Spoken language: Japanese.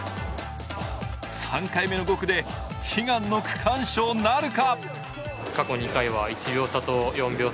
３回目の５区で初の区間賞なるか？